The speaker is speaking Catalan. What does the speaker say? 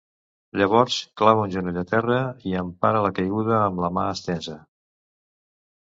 Llavors clava un genoll al terra i empara la caiguda amb una mà estesa.